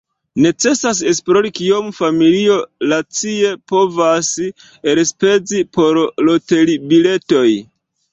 Necesas esplori kiom familio racie povas elspezi por loteribiletoj.